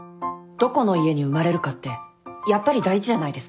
どこの家に生まれるかってやっぱり大事じゃないですか。